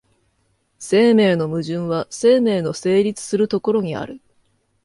生命の矛盾は生命の成立する所にある。